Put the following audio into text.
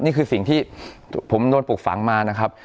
นี่คือสิ่งที่ผมโดนปลูกฝังมานะครับ